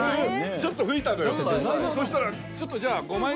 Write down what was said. ちょっと吹いたのよ。